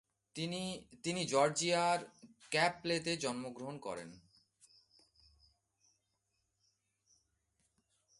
তিনি জর্জিয়ার ক্র্যাবপ্লেতে জন্মগ্রহণ করেন।